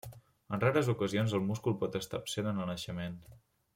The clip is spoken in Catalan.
En rares ocasions el múscul pot estar absent en el naixement.